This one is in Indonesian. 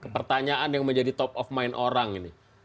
pertanyaan yang menjadi top of mind orang ini